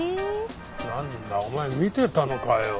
なんだお前見てたのかよ。